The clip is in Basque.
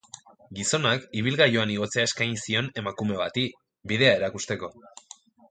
Gizonak ibilgailuan igotzea eskaini zion emakumezkoetako bati, bidea erakusteko.